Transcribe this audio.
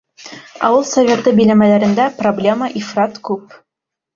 — Ауыл Советы биләмәләрендә проблема ифрат күп.